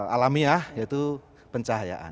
alamiah yaitu pencahayaan